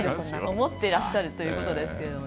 思ってらっしゃるということですが。